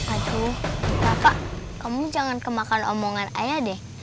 aduh bapak kamu jangan kemakan omongan ayah deh